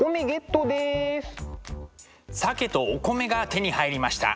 鮭とお米が手に入りました。